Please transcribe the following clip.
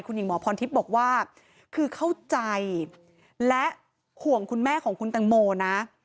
หญิงหมอพรทิพย์บอกว่าคือเข้าใจและห่วงคุณแม่ของคุณตังโมนะ